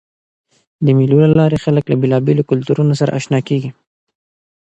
د مېلو له لاري خلک له بېلابېلو کلتورونو سره اشنا کېږي.